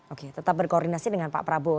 oke tetap berkoordinasi dengan pak prabowo